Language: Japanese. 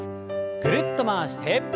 ぐるっと回して。